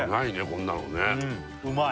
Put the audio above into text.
こんなのねうんうまい！